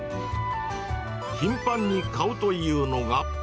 頻繁に買うというのが。